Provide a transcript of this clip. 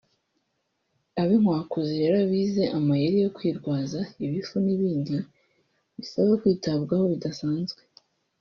Ab’inkwakuzi rero bize amayeri yo kwirwaza ibifu n’ibindi bisaba kwitabwaho bidasanzwe